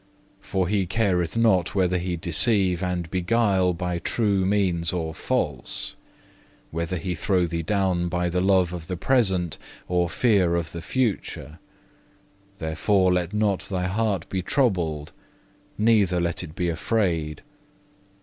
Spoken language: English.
For he careth not whether he deceive and beguile by true means or false; whether he throw thee down by the love of the present or fear of the future. Therefore let not thy heart be troubled, neither let it be afraid.